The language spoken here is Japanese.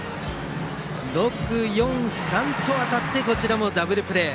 ６―４―３と渡ってこちらもダブルプレー。